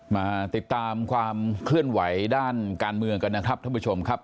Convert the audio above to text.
มาติดตามความเคลื่อนไหวด้านการเมืองกันนะครับท่านผู้ชมครับ